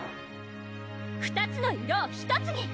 ２つの色を１つに！